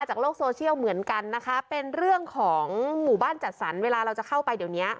โลกโซเชียลเหมือนกันนะคะเป็นเรื่องของหมู่บ้านจัดสรรเวลาเราจะเข้าไปเดี๋ยวเนี้ย